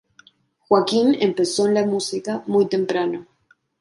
Joaquín empezó en la música muy temprano.